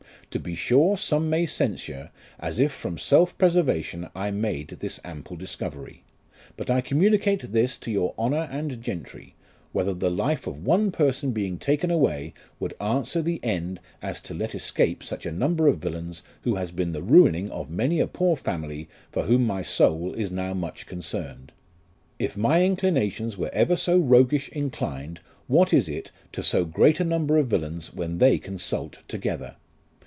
To be sure some may censure, as if from self preservation, I made this ample discovery ; but I communicate this to* your Honour and gentry, whether the life of one person being taken away, would answer the end, as to let escape such a number of villains, who has been the ruining of many a poor family, for whom my soul is now much concerned. If my inclinations were ever so roguish inclined, what is it to so great a number of villains, when they consult together.